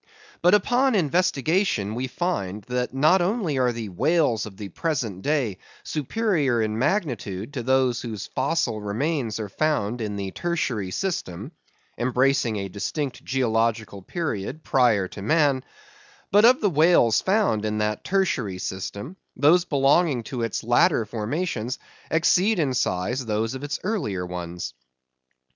But upon investigation we find, that not only are the whales of the present day superior in magnitude to those whose fossil remains are found in the Tertiary system (embracing a distinct geological period prior to man), but of the whales found in that Tertiary system, those belonging to its latter formations exceed in size those of its earlier ones.